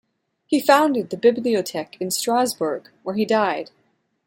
He founded the Bibliothek in Strasbourg, where he died.